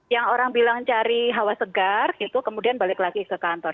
yang orang bilang cari hawa segar gitu kemudian balik lagi ke kantor